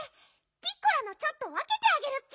ピッコラのちょっとわけてあげるッピ。